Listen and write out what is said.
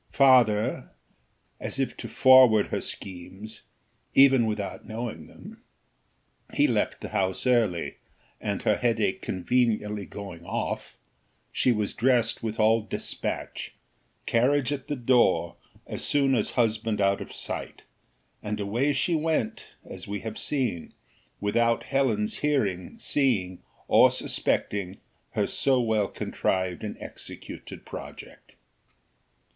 Farther, as if to forward her schemes, even without knowing them, he left the house early, and her headache conveniently going off, she was dressed with all despatch carriage at the door as soon as husband out of sight, and away she went, as we have seen, without Helen's hearing, seeing, or suspecting her so well contrived and executed project.